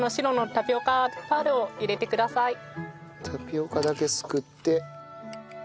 タピオカだけすくって。